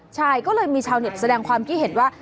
ใช่ก็เลยมีชาวเน็ตแสดงความคิดเห็นว่า